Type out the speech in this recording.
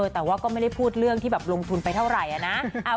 แต่ว่าก็ไม่ได้พูดเรื่องที่แบบลงทุนไปเท่าไหร่นะ